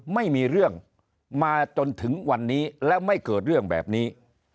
ไม่มีเรื่องมาจนถึงวันนี้แล้วไม่เกิดเรื่องแบบนี้